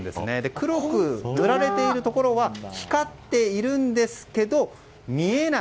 黒く塗られているところは光っているんですけど見えない。